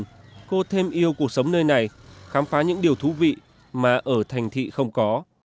nhưng cô thêm yêu cuộc sống nơi này khám phá những điều thú vị mà ở thành thị không có